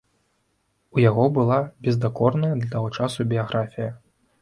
У яго была бездакорная для таго часу біяграфія.